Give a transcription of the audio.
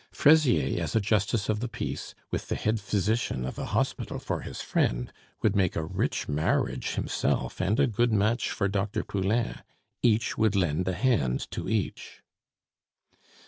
Fraisier, as a justice of the peace, with the head physician of a hospital for his friend, would make a rich marriage himself and a good match for Dr. Poulain. Each would lend a hand to each.